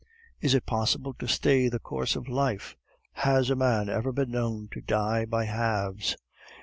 Is it possible to stay the course of life? Has a man ever been known to die by halves?